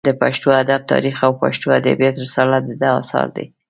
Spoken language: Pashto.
د پښتو ادب تاریخ او پښتو ادبیات رساله د ده اثار دي.